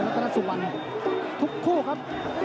ตามต่อยกที่สองครับ